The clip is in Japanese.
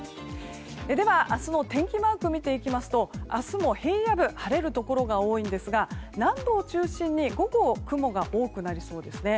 では、明日の天気マークを見ていきますと明日も平野部晴れるところが多いんですが南部を中心に午後、雲が多くなりそうですね。